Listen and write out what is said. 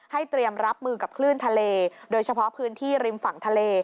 เตรียมรับมือกับคลื่นทะเลโดยเฉพาะพื้นที่ริมฝั่งทะเล